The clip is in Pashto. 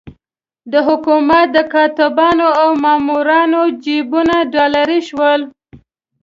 د حکومت د کاتبانو او مامورانو جېبونه ډالري شول.